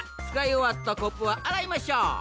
つかいおわったコップはあらいましょう。